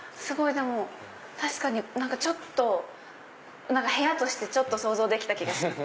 でも確かにちょっと部屋として想像できた気がします。